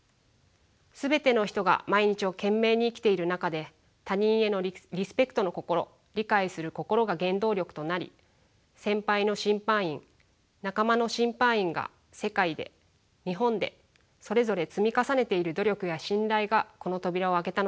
全ての人が毎日を懸命に生きている中で他人へのリスペクトの心理解する心が原動力となり先輩の審判員仲間の審判員が世界で日本でそれぞれ積み重ねている努力や信頼がこの扉を開けたのだと思います。